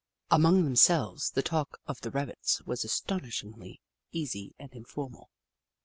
Among themselves, the talk of the Rabbits was astonishingly easy and informal.